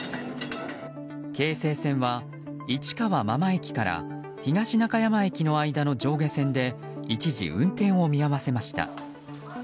京成線は、市川真間駅から東中山駅の間の上下線で一時運転を見合わせました。